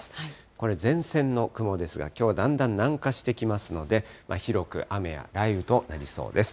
これ、前線の雲ですが、きょうだんだん南下してきますので、広く雨や雷雨となりそうです。